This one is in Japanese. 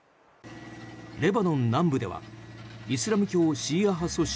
レバノン南部ではイスラム教シーア派組織